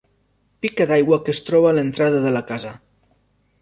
Pica d'aigua que es troba a l'entrada de la casa.